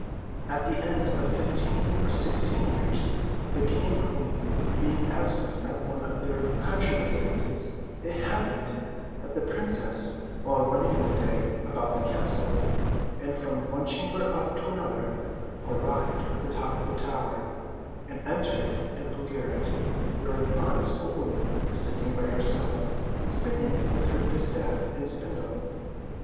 At the end of fifteen or sixteen years, the King and Queen, being absent at one of their country residences, it happened that the Princess, while running one day about the castle, and from one chamber up to another, arrived at the top of a tower, and entered a little garret, where an honest old woman was sitting by herself, spinning with her distaff and spindle.